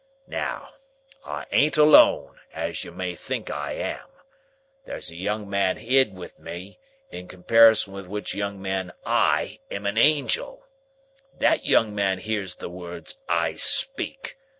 Now, I ain't alone, as you may think I am. There's a young man hid with me, in comparison with which young man I am a Angel. That young man hears the words I speak.